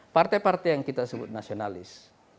partai partai yang kita sebut nasionalis